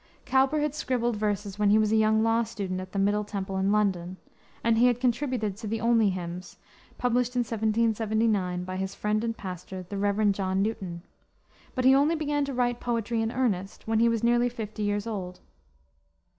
Cowper had scribbled verses when he was a young law student at the Middle Temple in London, and he had contributed to the Olney Hymns, published in 1779 by his friend and pastor, the Rev. John Newton; but he only began to write poetry in earnest when he was nearly fifty years old.